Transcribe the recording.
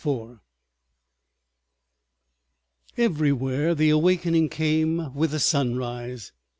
§ 3 Everywhere the awakening came with the sunrise.